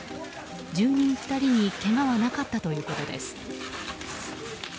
住人２人にけがはなかったということです。